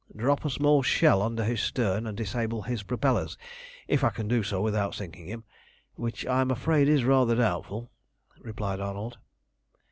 "Drop a small shell under his stern and disable his propellers, if I can do so without sinking him, which I am afraid is rather doubtful," replied Arnold.